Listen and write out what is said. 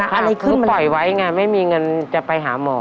อะไรขึ้นมาแล้วค่ะคือปล่อยไว้ไงไม่มีเงินจะไปหาหมอ